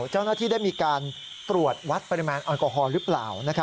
เจ้าหน้าที่ได้มีการตรวจวัดปริมาณแอลกอฮอล์หรือเปล่า